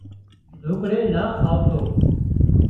ڍوڪڙي نا آوتون